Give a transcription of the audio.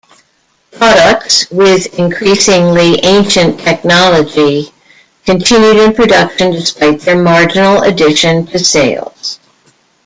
Products with increasingly ancient technology continued in production despite their marginal addition to sales.